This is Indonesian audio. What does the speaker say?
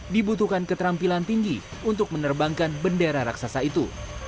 dibutuhkan keterampilan tinggi untuk menerbangkan bendera raksasa itu